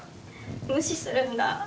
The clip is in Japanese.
「無視するんだ」